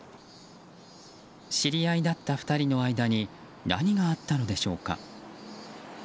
知り合いだった２人の間に何があったのでしょうか。